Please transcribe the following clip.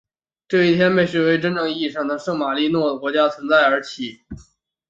这一天被视为真正意义上的圣马力诺国家存在的起始。